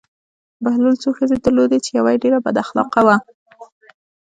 بهلول څو ښځې درلودې چې یوه یې ډېره بد اخلاقه وه.